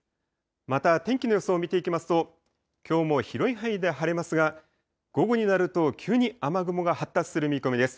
また、天気の予想を見ていきますと、きょうも広い範囲で晴れますが、午後になると、急に雨雲が発達する見込みです。